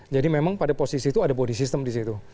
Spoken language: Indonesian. jadi memang pada posisi itu ada body system di situ